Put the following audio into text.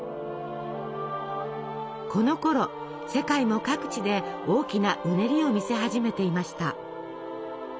このころ世界も各地で大きなうねりを見せ始めていました。